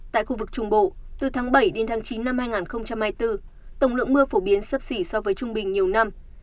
tại khu vực trung bộ từ tháng bảy chín hai nghìn hai mươi bốn tổng lượng mưa phổ biến sấp xỉ so với trung bình nhiều năm